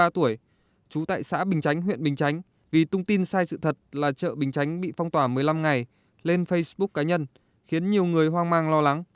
ba mươi ba tuổi trú tại xã bình chánh huyện bình chánh vì tung tin sai sự thật là chợ bình chánh bị phong tỏa một mươi năm ngày lên facebook cá nhân khiến nhiều người hoang mang lo lắng